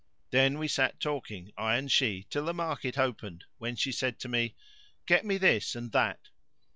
Then we sat talking, I and she, till the market opened, when she said to me, "Get me this and that."